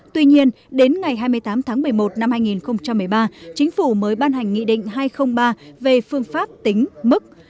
tuy nhiên đến ngày hai mươi tám tháng một mươi một năm hai nghìn một mươi ba chính phủ mới ban hành nghị định hai trăm linh ba về phương pháp tính mức